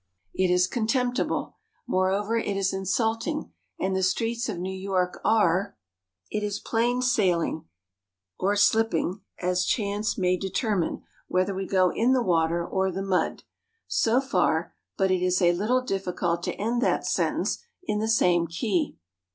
It is contemptible. Moreover, it is insulting, and the streets of New York are It is plain sailing or slipping, as chance may determine whether we go in the water or the mud so far, but it is a little difficult to end that sentence in the same key.